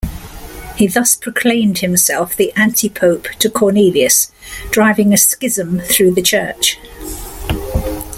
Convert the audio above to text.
He thus proclaimed himself the antipope to Cornelius, driving a schism through the church.